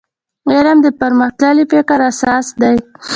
علم د پرمختللي فکر اساس دی.